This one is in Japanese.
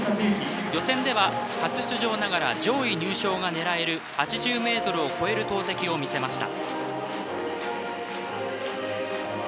予選では初出場ながら上位入賞が狙える８０ｍを超える投てきを見せました。